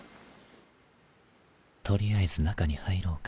取りあえず中に入ろうか。